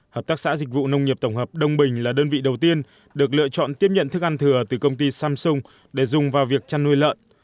hợp tác xã dịch vụ nông nghiệp tổng hợp đông bình là đơn vị đầu tiên được lựa chọn tiếp nhận thức ăn thừa từ công ty samsung để dùng vào việc chăn nuôi lợn